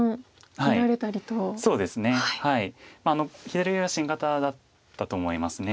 左上は新型だったと思います。